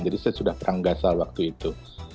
jadi sesudah perang gaza waktu itu